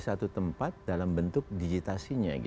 satu tempat dalam bentuk digitasinya